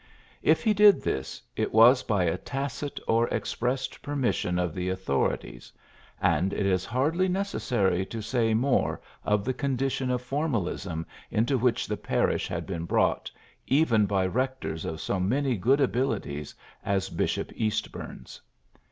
If he did this, it was by a tacit or expressed permission of the au thorities J and it is hardly necessary to say more of the condition of formalism into which the parish had been brought, even by rectors of so many good abilities as Bishop Eastburn's.